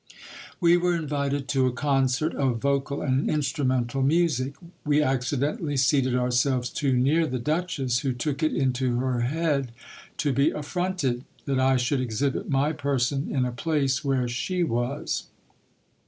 We were invited to a concert of vocal and instrumental music. We accidentally seated ourselves too near the duchess, who took it into her head to be affronted, that I should exhibit my person in a place where she was.